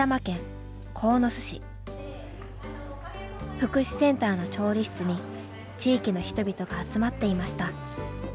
福祉センターの調理室に地域の人々が集まっていました。